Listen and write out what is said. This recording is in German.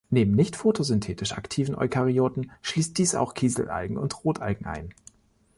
Neben nicht-photosynthetisch aktiven Eukaryoten schließt dies auch Kieselalgen und Rotalgen ein.